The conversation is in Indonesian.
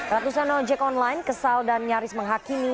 ratusan ojek online kesal dan nyaris menghakimi